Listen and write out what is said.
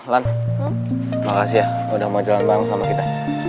lan makasih ya udah mau jalan banget sama kita